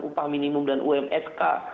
upah minimum dan umfk